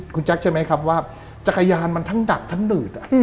คุณแจ๊คใช่ไหมครับว่าจักรยานมันทั้งดักทั้งหนืด